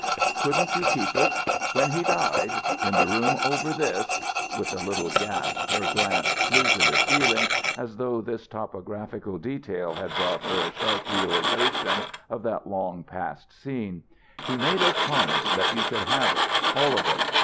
"Couldn't you keep it? When he died ... in the room over this" with a little gasp her glance flew to the ceiling as though this topographical detail had brought her a sharp realization of that long past scene "he made us promise that you should have it, all of it.